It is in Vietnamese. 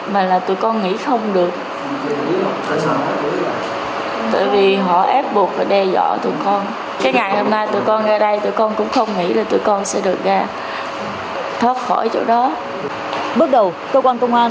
bước đầu cơ quan công an